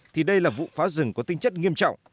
thì đây là vụ phá rừng có tinh chất nghiêm trọng